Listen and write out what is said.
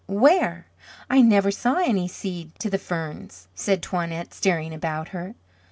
Where? I never saw any seed to the ferns," said Toinette, staring about her.